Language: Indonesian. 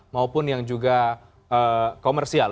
maupun yang juga komersial